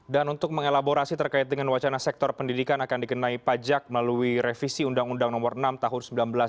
dan untuk mengelaborasi terkait dengan wacana sektor pendidikan akan dikenai pajak melalui revisi undang undang no enam tahun seribu sembilan ratus delapan puluh tiga